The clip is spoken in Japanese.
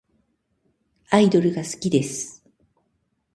アイドルが好きです。